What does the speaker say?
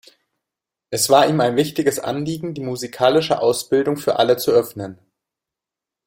Es war ihm ein wichtiges Anliegen, die musikalische Ausbildung für alle zu öffnen.